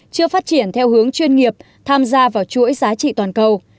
chưa phát triển theo hướng chuyên nghiệp tham gia vào chuỗi giá trị toàn cầu